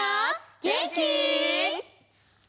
げんき？